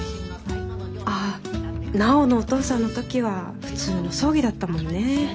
ああ奈緒のお父さんのときは普通の葬儀だったもんね。